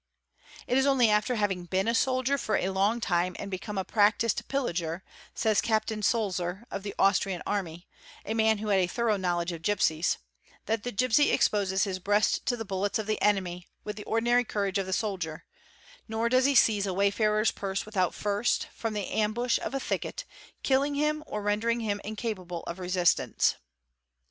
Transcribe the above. | "Tt is only after having been a soldier for a long time and become a practised pillager,"' says Captain Sulzer of the Austrian army, a man who had a thorough knowledge of gipsies, ''that the gipsy exposes his breast to the bullets of the enemy with the ordinary courage of the soldier, nor é does he seize a wayfarer's purse without first, from the ambush of a ' thicket, killing him or rendering him incapable of resistance.